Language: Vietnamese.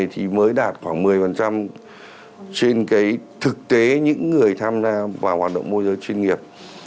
thì mới đạt khoảng một mươi trên thực tế những người tham gia vào hoạt động môi giới chuyên nghiệp